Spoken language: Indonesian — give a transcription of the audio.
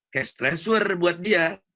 cash transfer buat dia